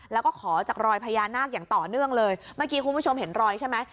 แล้วก็ขอจากรอยพญานาคอย่างต่อเนื่องเลยเมื่อกี้คุณผู้ชมเห็นรอยใช่ไหม